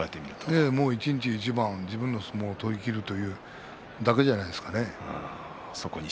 一日一番、自分の相撲を取りきるだけじゃないですか。